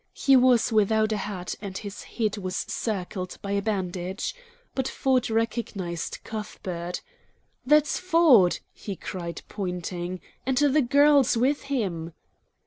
He was without a hat and his head was circled by a bandage. But Ford recognized Cuthbert. "That's Ford!" he cried, pointing. "And the girl's with him!"